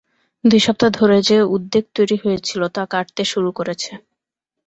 দুই সপ্তাহ ধরে যে উদ্বেগ তৈরি হয়েছিল, তা কাটতে শুরু করেছে।